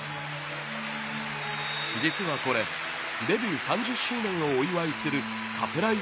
実はこれデビュー３０周年をお祝いするサプライズ